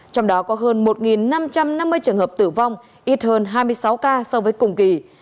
trong đó có hơn một năm trăm năm mươi trường hợp tử vong ít hơn hai mươi sáu ca so với cùng kỳ